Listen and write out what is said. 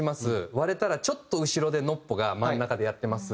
割れたらちょっと後ろでＮＯＰＰＯが真ん中でやってます。